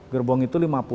gerbong itu lima puluh